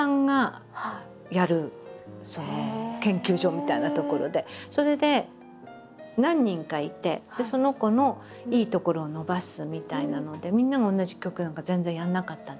行ったところがそれで何人かいてその子のいいところを伸ばすみたいなのでみんなが同じ曲なんか全然やらなかったんですね。